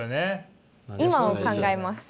今を考えます。